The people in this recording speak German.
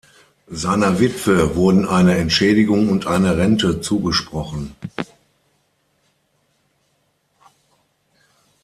Seiner Witwe wurden eine Entschädigung und eine Rente zugesprochen.